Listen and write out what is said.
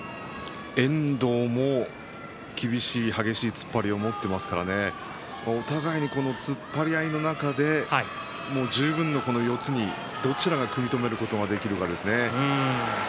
遠藤も厳しい激しい突っ張りを持っていますからねお互いに突っ張り合いの中で十分の四つに、どちらが組み止めることができるかですね。